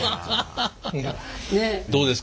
どうですか？